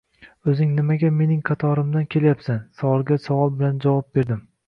Oʻzing nimaga mening qatorimdan kelyapsan? – savolga savol bilan javob berdim.